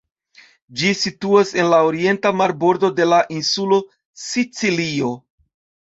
Ĝi situas en la orienta marbordo de la insulo Sicilio.